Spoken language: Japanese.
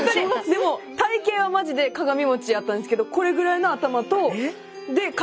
でも体形はマジで鏡餅やったんですけどこれぐらいの頭と体もこれぐらいで。